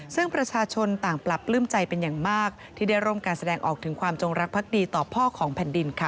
ซึ่งประชาชนต่างปรับปลื้มใจเป็นอย่างมากที่ได้ร่วมการแสดงออกถึงความจงรักภักดีต่อพ่อของแผ่นดินค่ะ